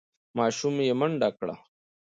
ماشوم یې منډه کړه.